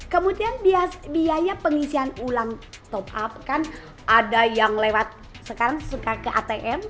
kemudian biaya pengisian ulang top up kan ada yang lewat sekarang suka ke atm